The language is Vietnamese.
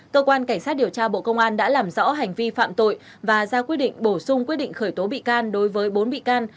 cơ quan cảnh sát điều tra bộ công an đã làm rõ hành vi phạm tội và ra quyết định bổ sung quyết định khởi tố bị can đối với bốn bị can